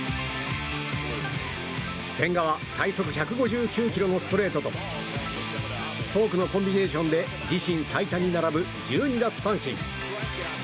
千賀は最速１５９キロのストレートとフォークのコンビネーションで自身最多に並ぶ１２奪三振。